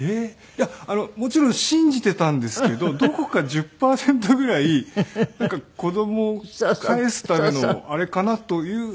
いやもちろん信じていたんですけどどこか１０パーセントぐらい子供を帰すためのあれかなという頭もあったんですけど。